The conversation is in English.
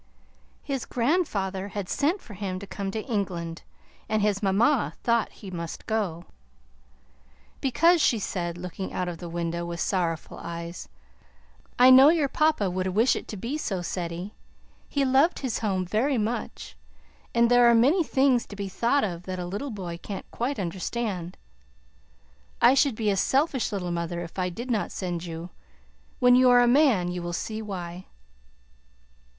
His grandfather had sent for him to come to England, and his mamma thought he must go. "Because," she said, looking out of the window with sorrowful eyes, "I know your papa would wish it to be so, Ceddie. He loved his home very much; and there are many things to be thought of that a little boy can't quite understand. I should be a selfish little mother if I did not send you. When you are a man, you will see why."